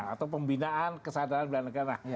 atau pembinaan kesadaran bela negara